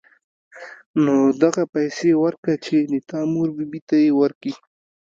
نو دغه پيسې وركه چې د تا مور بي بي ته يې وركي.